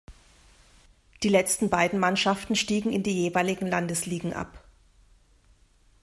Die letzten beiden Mannschaften stiegen in die jeweiligen Landesligen ab.